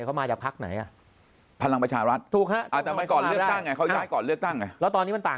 เขามาจะพักไหนอ่ะพลังประชารัฐถูกแล้วตอนนี้มันต่าง